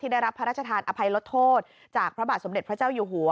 ได้รับพระราชทานอภัยลดโทษจากพระบาทสมเด็จพระเจ้าอยู่หัว